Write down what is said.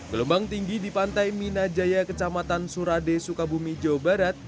gelombang tinggi di pantai minajaya kecamatan surade sukabumi jawa barat